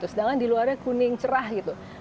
sedangkan di luarnya kuning cerah gitu